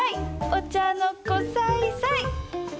お茶の子さいさい！